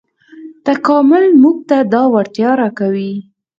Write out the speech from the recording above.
تکامل موږ ته دا وړتیا راکوي.